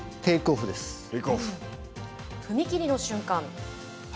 踏み切りの瞬間。